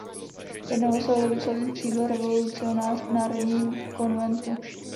Jednalo se o levicové křídlo revolucionářů v Národním konventu.